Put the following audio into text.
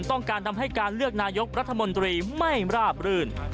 ต้องการทำให้การเลือกนายกรัฐมนตรีไม่ราบรื่น